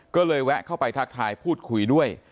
ก็เลยแวะเข้าไปทักทายพูดคุยด้วย